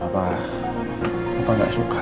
papa gak suka